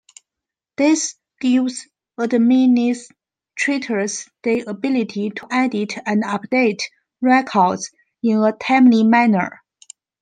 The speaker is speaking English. This gives administrators the ability to edit and update records in a timely manner.